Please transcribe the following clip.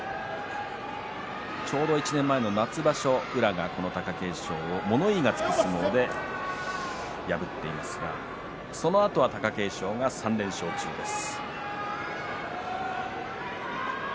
ちょうど１年前の夏場所宇良が貴景勝を物言いがつく相撲で破っていますがそのあとは貴景勝が３連勝中です。